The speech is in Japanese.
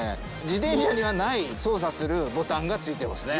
自転車にはない操作するボタンがついてますね。